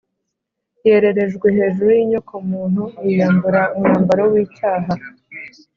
. Yererejwe hejuru y’inyokomuntu, yiyambura umwambaro w’icyaha